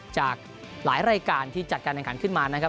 จากหลายรายการที่จัดการแข่งขันขึ้นมานะครับ